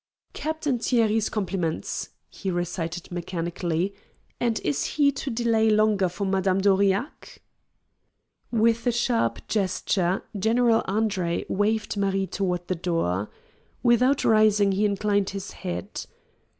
"Captain Thierry's compliments," he recited mechanically, "and is he to delay longer for Madame d'Aurillac?" With a sharp gesture General Andre waved Marie toward the door. Without rising, he inclined his head.